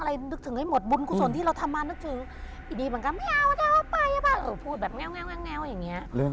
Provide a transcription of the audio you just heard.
แล้วบอกไม่ใช่โซบี